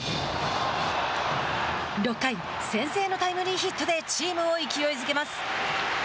６回、先制のタイムリーヒットでチームを勢いづけます。